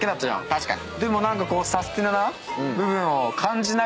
確かに。